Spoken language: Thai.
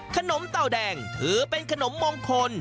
เต่าแดงถือเป็นขนมมงคล